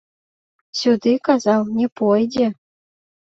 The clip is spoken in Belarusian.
Сюды, казаў, не пойдзе!